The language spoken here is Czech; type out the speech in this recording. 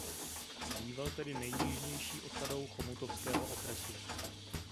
Býval tedy nejjižnější osadou chomutovského okresu.